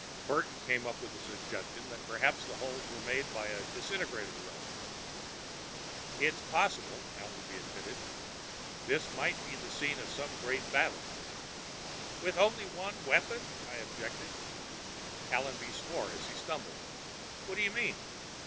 Burton came up with the suggestion that perhaps the holes had been made by a disintegrator ray. "It's possible," Allenby admitted. "This might have been the scene of some great battle " "With only one such weapon?" I objected. Allenby swore as he stumbled. "What do you mean?"